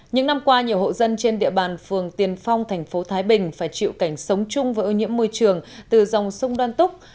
những năm qua nhiều hộ dân trên địa bàn phường tiền phong thành phố thái bình phải chịu cảnh sống chung với ô nhiễm môi trường từ dòng sông đoan túc